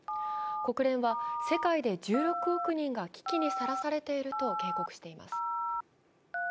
国連は世界で１６億人が危機にさらされていると警告しています。